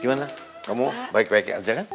gimana kamu baik baik aja kan